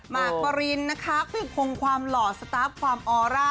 ผักปลินนะคะคือพงค์ความหล่อสตัฟความออร่า